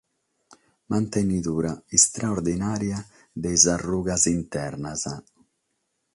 Mantenidura istraordinària de is arrugas internas.